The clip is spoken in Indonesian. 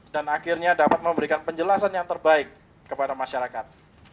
dan akhirnya dapat memberikan penjelasan yang terbaik kepada masyarakat